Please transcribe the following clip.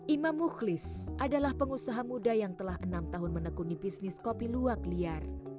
imam mukhlis adalah pengusaha muda yang telah enam tahun menekuni bisnis kopi luwak liar